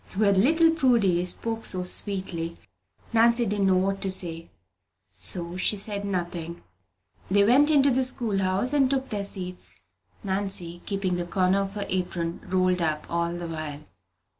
When little Prudy spoke so sweetly, Nancy didn't know what to say; so she said nothing. They went into the school house and took their seats, Nancy keeping the corner of her apron rolled up all the while.